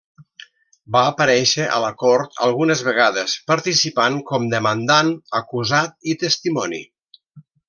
Va aparèixer a la cort algunes vegades, participant com demandant, acusat i testimoni.